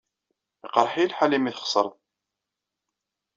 Iqeṛṛeḥ-iyi lḥal imi txeṣṛeḍ.